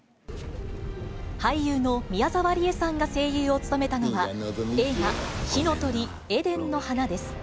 俳優の宮沢りえさんが声優を務めたのは、映画、火の鳥エデンの花です。